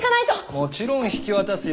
もちろん引き渡すよ。